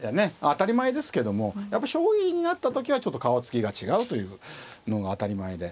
当たり前ですけどもやっぱ将棋になった時はちょっと顔つきが違うというのが当たり前で。